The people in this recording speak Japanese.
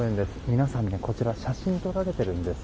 皆さん、こちらで写真を撮られているんです。